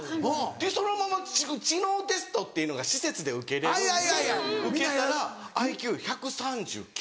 そのまま知能テストっていうのが施設で受けれるんで受けたらＩＱ１３９。